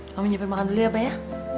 mama nyepit makan dulu ya pak ya